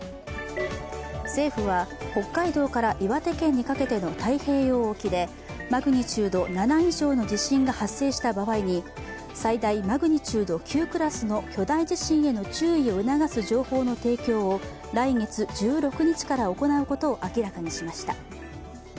政府は北海道から岩手県にかけての太平洋沖でマグニチュード７以上の地震が発生した場合に最大マグニチュード９クラスの巨大地震への注意を促す情報の提供を来月１６日から行うことを明らかにしました。